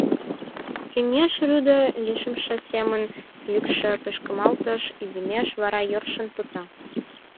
Кеҥеж рӱдӧ лишемме семын йӱкшӧ пышкемалтеш, иземеш, вара йӧршын пыта.